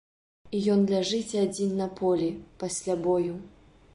І ён ляжыць адзін на полі пасля бою.